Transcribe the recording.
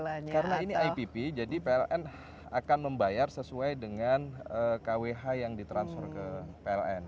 karena ini ipp jadi pln akan membayar sesuai dengan kwh yang di transfer ke pln